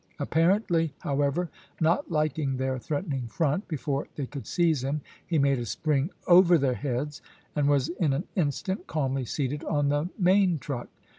Apparently, however, not liking their threatening front, before they could seize him he made a spring over their heads, and was in an instant calmly seated on the main truck.